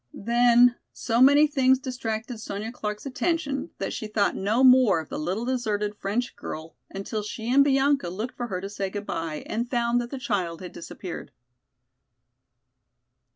Then so many things distracted Sonya Clark's attention that she thought no more of the little deserted French girl until she and Bianca looked for her to say goodby and found that the child had disappeared.